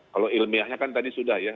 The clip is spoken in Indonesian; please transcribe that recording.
kalau ilmiahnya kan tadi sudah ya